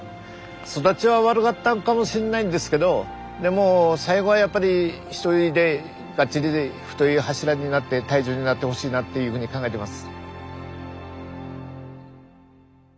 育ちは悪かったかもしんないんですけどでも最後はやっぱり一人でがっちりで太い柱になって大樹になってほしいなっていうふうに考えてます。